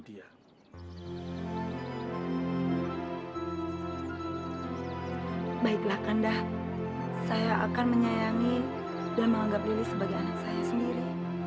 baiklah kandah saya akan menyayangi dan menganggap diri sebagai anak saya sendiri